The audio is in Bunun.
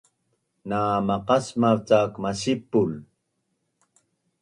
Na maqasmav cak masipul